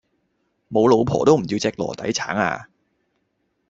無老婆都唔要隻籮底橙呀